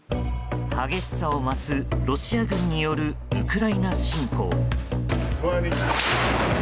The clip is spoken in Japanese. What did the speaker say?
激しさを増すロシア軍によるウクライナ侵攻。